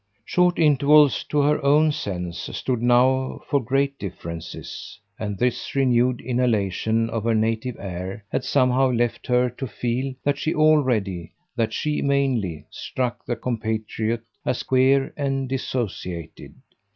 Short intervals, to her own sense, stood now for great differences, and this renewed inhalation of her native air had somehow left her to feel that she already, that she mainly, struck the compatriot as queer and dissociated.